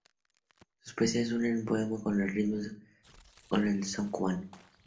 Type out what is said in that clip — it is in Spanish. Sus poesías unen el poema con el ritmo del son cubano